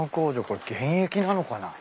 これ現役なのかな？